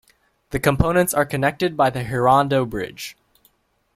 The components are connected by the Hirado Bridge.